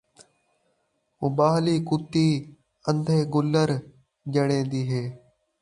اُٻاہلی کتی ان٘دھے گُلّر ڄݨین٘دی اے